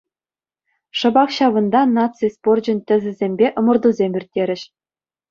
Шӑпах ҫавӑнта наци спорчӗн тӗсӗсемпе ӑмӑртусем ирттерӗҫ.